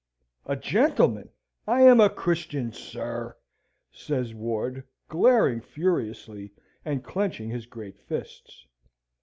"A gentleman! I am a Christian, sir!" says Ward, glaring furiously, and clenching his great fists.